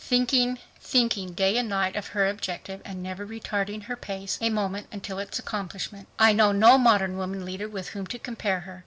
Thinking, thinking day and night of her objective and never retarding her pace a moment until its accomplishment, I know no modern woman leader with whom to compare her.